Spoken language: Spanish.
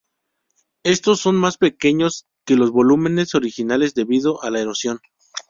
Estos son más pequeños que los volúmenes originales debido a la erosión.